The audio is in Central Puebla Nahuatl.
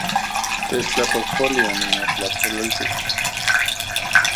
Techtlapojpolui, onimotlapololti